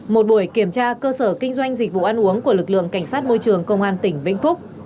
một buổi kiểm tra cơ sở kinh doanh dịch vụ ăn uống của lực lượng cảnh sát môi trường công an tỉnh vĩnh phúc